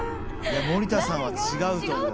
森田さんは違うと思う。